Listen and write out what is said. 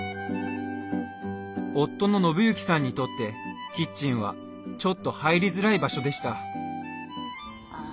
夫の信之さんにとってキッチンはちょっと入りづらい場所でした。